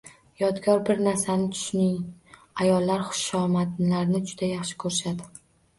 Yodgor bir narsani tushuning ayollar xushomadlarni juda xush ko’rishadi.